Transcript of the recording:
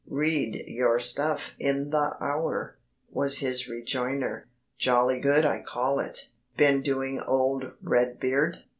"Read your stuff in the Hour," was his rejoinder; "jolly good I call it. Been doing old Red Beard?